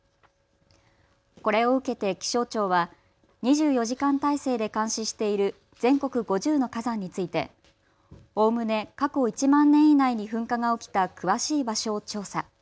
これを受けて気象庁は２４時間体制で監視している全国５０の火山についておおむね過去１万年以内に噴火が起きた詳しい場所を調査。